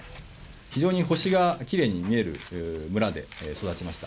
非常に星がきれいに見える村で育ちました。